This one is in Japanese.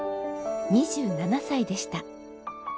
２７歳でした。